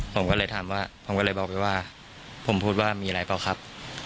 ผมก็เลยบอกไปว่าผมพูดว่ามีอะไรเปล่าครับ